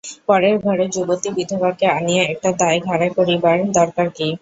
পরের ঘরের যুবতী বিধবাকে আনিয়া একটা দায় ঘাড়ে করিবার দরকার কী।